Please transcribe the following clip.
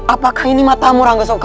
apakah ini matamu rangga suka